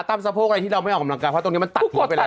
สะโพกอะไรที่เราไม่ออกกำลังกายเพราะตรงนี้มันตัดทิ้งไปแล้ว